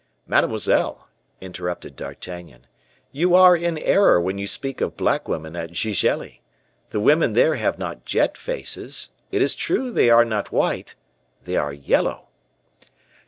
"Mademoiselle," interrupted D'Artagnan, "you are in error when you speak of black women at Gigelli; the women there have not jet faces; it is true they are not white they are yellow."